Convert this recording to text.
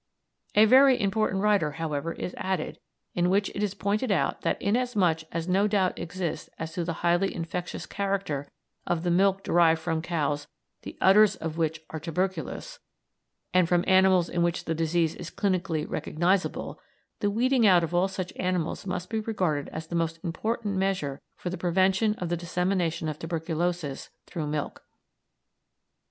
A very important rider, however, is added, in which it is pointed out that inasmuch as no doubt exists as to the highly infectious character of the milk derived from cows the udders of which are tuberculous, and from animals in which the disease is clinically recognisable, the weeding out of all such animals must be regarded as the most important measure for the prevention of the dissemination of tuberculosis through milk.